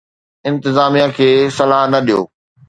انتظاميا کي صلاح نه ڏيو.